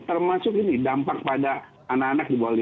termasuk ini dampak pada anak anak di bawah lima puluh